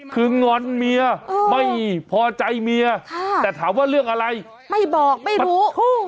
คืองอนเมียไม่พอใจเมียแต่ถามว่าเรื่องอะไรไม่บอกไม่รู้